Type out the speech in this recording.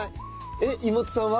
えっ妹さんは？